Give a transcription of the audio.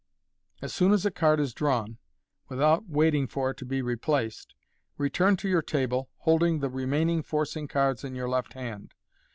As soon as a card is drawn, without waiting for it to be replaced, return to your table, holding the remaining forcing cards in your left hand.